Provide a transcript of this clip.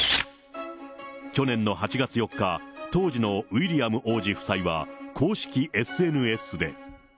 去年の８月４日、当時のウィリアム王子夫妻は、公式ＳＮＳで。